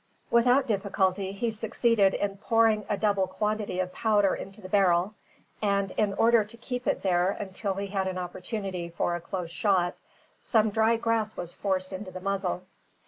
Without difficulty he succeeded in pouring a double quantity of powder into the barrel; and, in order to keep it there until he had an opportunity for a close shot, some dry grass was forced into the muzzle.